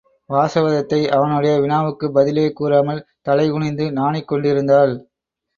வாசவதத்தை அவனுடைய வினாவுக்குப் பதிலே கூறாமல் தலைகுனிந்து நாணிக் கொண்டிருந்தாள்.